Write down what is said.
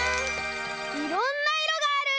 「いろんないろがある」！